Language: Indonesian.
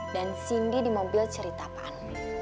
dan cindy di mobil cerita apaan